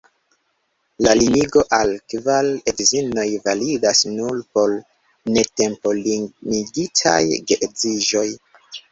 La limigo al kvar edzinoj validas nur por netempolimigitaj geedziĝoj.